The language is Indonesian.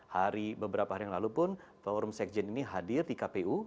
hari beberapa hari yang lalu pun forum sekjen ini hadir di kpu